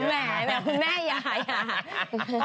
เอาแหมแม่ยายา